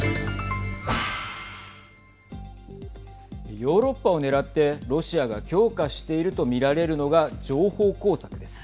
ヨーロッパを狙ってロシアが強化していると見られるのが情報工作です。